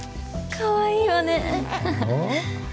かわいいわねだろ？